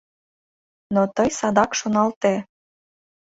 — Но тый садак шоналте...